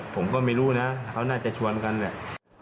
ผมก็ไม่รู้นะเขาน่าจะชวนกันเนี่ย